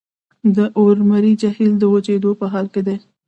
د ارومیې جهیل د وچیدو په حال کې دی.